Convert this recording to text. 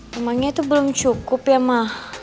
rumahnya tuh belum cukup ya ma